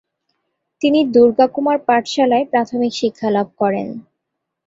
তিনি দুর্গা কুমার পাঠশালায় প্রাথমিক শিক্ষা লাভ করেন।